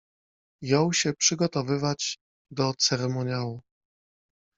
Jął się przygotowywać do ceremoniału.